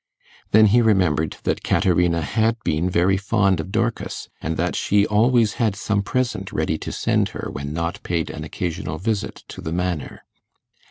Then he remembered that Caterina had been very fond of Dorcas, and that she always had some present ready to send her when Knott paid an occasional visit to the Manor.